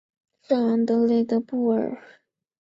圣昂德雷德杜布尔。